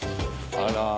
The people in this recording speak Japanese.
あら。